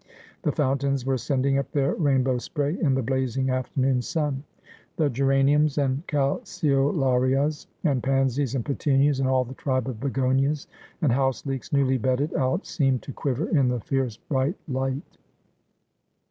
The fountains were sending up their rainbow spray in the blazing afternoon sun. The geraniums, and calceolarias, and pansies, and petunias, and all the tribe of begonias, and house leeks, newly bedded out, seemed to quiver in the fierce bright light.